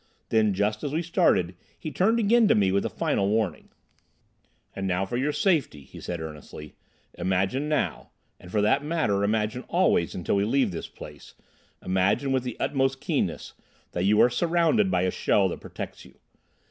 Then, just as we started, he turned again to me with a final warning. "And, for your safety," he said earnestly, "imagine now—and for that matter, imagine always until we leave this place—imagine with the utmost keenness, that you are surrounded by a shell that protects you.